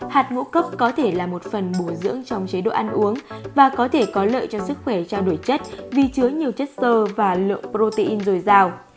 hạt ngũ cốc có thể là một phần bồi dưỡng trong chế độ ăn uống và có thể có lợi cho sức khỏe trao đổi chất vì chứa nhiều chất sơ và lượng protein dồi dào